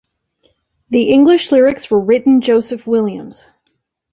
The English lyrics were written Joseph Williams.